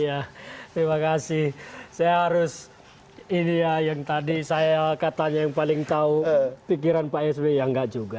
ya terima kasih saya harus ini ya yang tadi saya katanya yang paling tahu pikiran pak sby ya enggak juga